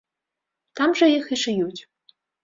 Там жа іх і шыюць.